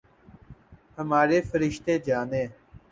ہمارے فرشتے جانیں۔